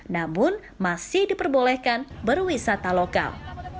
namun masih diperbolehkan berwisata lokal